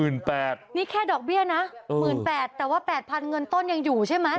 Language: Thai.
นี่แค่ดอกเบี้ยนะ๑๘๐๐แต่ว่า๘๐๐เงินต้นยังอยู่ใช่ไหม